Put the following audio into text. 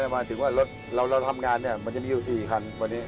มาถึงว่ารถเขาทำงานมันจะมีอยู่สี่คัน